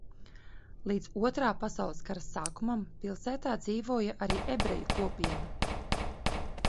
Līdz Otrā pasaules kara sākumam pilsētā dzīvoja arī ebreju kopiena.